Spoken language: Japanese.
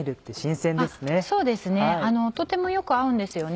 そうですねとてもよく合うんですよね。